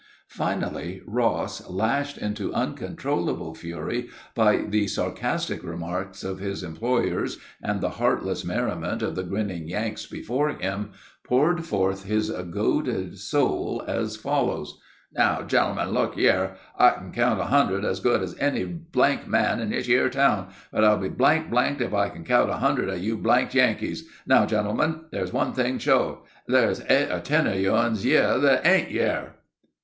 Finally Ross, lashed into uncontrollable fury by the sarcastic remarks of his employers and the heartless merriment of the grinning Yanks before him, poured forth his goaded soul as follows: "Now, gentlemen, look yere. I can count a hundred as good as any blank man in this yere town, but I'll be blank blanked if I can count a hundred of you blanked Yankees. Now, gentlemen, there's one thing sho: there's eight or ten of you uns yere that ain't yere!"